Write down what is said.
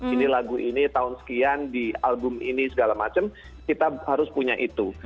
ini lagu ini tahun sekian di album ini segala macam kita harus punya itu